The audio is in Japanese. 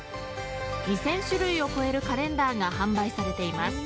２０００種類を超えるカレンダーが販売されています。